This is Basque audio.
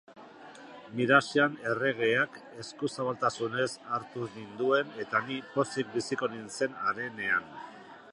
Miraxan erregeak eskuzabaltasunez hartu ninduen eta ni pozik biziko nintzen harenean.